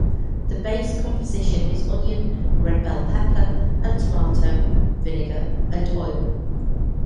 The base composition is onion, red bell pepper and tomato, vinegar and oil.